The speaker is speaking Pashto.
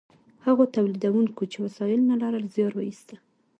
هغو تولیدونکو چې وسایل نه لرل زیار ویسته.